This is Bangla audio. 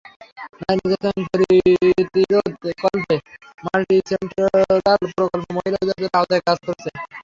নারী নির্যাতন প্রতিরোধকল্পে মাল্টি সেক্টোরাল প্রকল্প মহিলা অধিদপ্তরের আওতায় কাজ করছে।